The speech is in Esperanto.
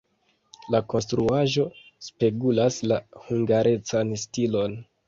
La konstruaĵo spegulas la hungarecan stilon.